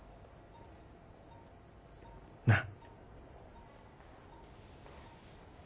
なっ？